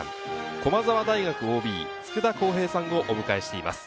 駒澤大学ＯＢ・佃康平さんをお迎えしています。